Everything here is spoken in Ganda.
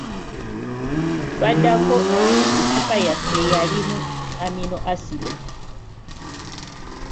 Twaddako ku ccupa yaffe eyalimu amino asidi.